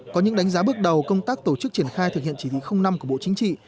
có những đánh giá bước đầu công tác tổ chức triển khai thực hiện chỉ thị năm của bộ chính trị